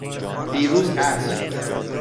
دیروز عصر.